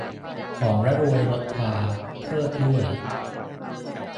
หอมระรวยรสพา เพริศด้วย